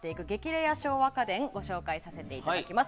レア昭和家電をご紹介させていただきます。